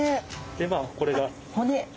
でまあこれが骨です。